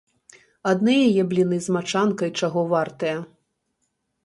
Адны яе бліны з мачанкай чаго вартыя!